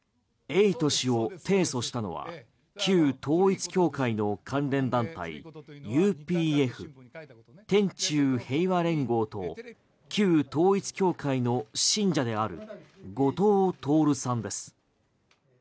エイト氏を提訴したのは旧統一教会の関連団体ＵＰＦ・天宙平和連合と旧統一教会の信者である後藤徹さんです。